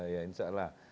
ya insya allah